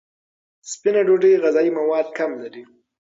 سپینه ډوډۍ غذایي مواد کم لري.